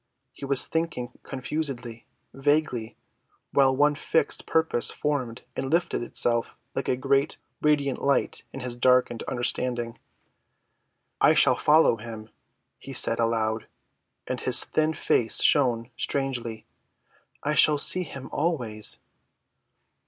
He was thinking confusedly, vaguely, while one fixed purpose formed and lifted itself like a great, radiant light in his darkened understanding. "I shall follow him," he said aloud, and his thin face shone strangely. "I shall see him always."